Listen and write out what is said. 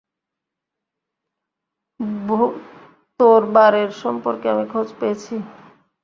তোর বারের সম্পর্কে আমি খোঁজ পেয়েছি।